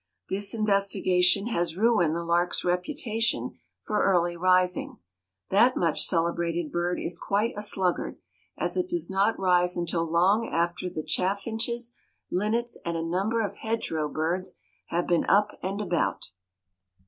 This investigation has ruined the lark's reputation for early rising. That much celebrated bird is quite a sluggard, as it does not rise until long after the chaffinches, linnets, and a number of hedgerow birds have been up and about.